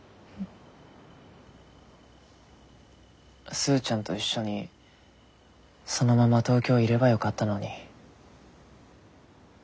スーちゃんと一緒にそのまま東京いればよかったのに。